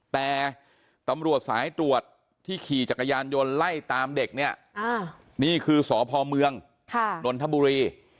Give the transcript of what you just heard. แต่ตำรวจสายตรวจที่ขี่จักรยานยนต์ไล่ตามเด็กเนี่ยนี่คือสพเมืองนนทบุรี